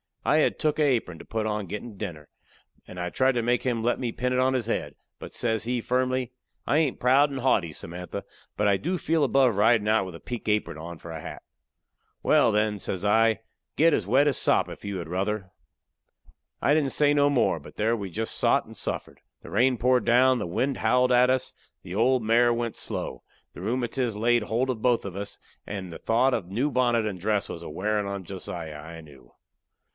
I had took a apron to put on a gettin' dinner, and I tried to make him let me pin it on his head. But says he, firmly: "I hain't proud and haughty, Samantha, but I do feel above ridin' out with a pink apron on for a hat." "Wal, then," says I, "get as wet as sop, if you had ruther." I didn't say no more, but there we jest sot and suffered. The rain poured down; the wind howled at us; the old mare went slow; the rheumatiz laid holt of both of us; and the thought of the new bonnet and dress was a wearin' on Josiah, I knew.